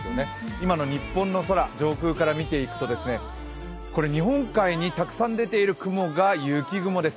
今の日本の空、上空から見ていくと日本海にたくさん出ている雲が雪雲です。